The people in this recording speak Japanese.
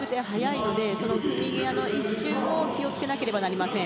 その組み際の一瞬を気をつけなければいけません。